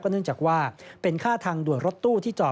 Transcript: เนื่องจากว่าเป็นค่าทางด่วนรถตู้ที่จอด